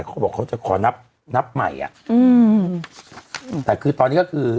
พวกเขาก็บอกจะขอนับใหม่แต่คือตอนนี้ก็คือ